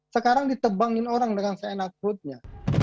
sekarang ditebangin orang dengan seenak perutnya